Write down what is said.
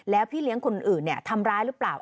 แล้วพี่เลี้ยงคนอื่นทำร้ายหรือเปล่า